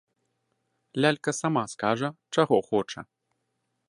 Лялька сама скажа, чаго хоча.